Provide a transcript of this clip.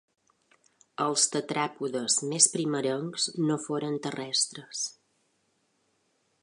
Els tetràpodes més primerencs no foren terrestres.